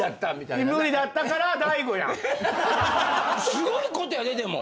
すごいことやででも。